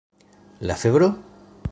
La febro?